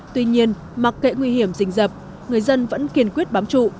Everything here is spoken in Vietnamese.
tuy nhiên mặc kệ nguy hiểm rình rập người dân vẫn kiên quyết bám trụ